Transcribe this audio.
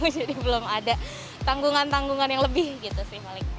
jadi belum ada tanggungan tanggungan yang lebih gitu sih